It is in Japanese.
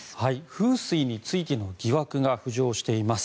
風水についての疑惑が浮上しています。